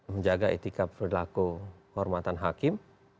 menjaga etika perilaku hormatan hakim